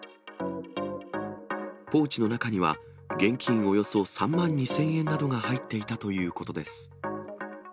ポーチの中には、現金およそ３万２０００円などが入っていたということです。